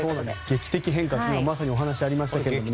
劇的変化とまさにお話ありましたけども。